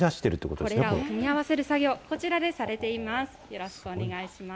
これらを組み合わせる作業、こちらでされています。